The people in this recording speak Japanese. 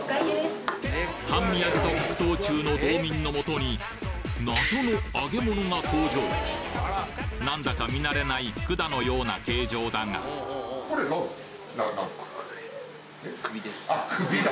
半身揚げと格闘中の道民のもとに謎の揚げ物が登場何だか見慣れない管のような形状だが首。